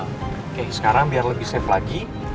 oke sekarang biar lebih safe lagi